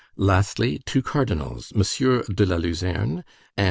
Lastly, two cardinals, M. de la Luzerne, and M.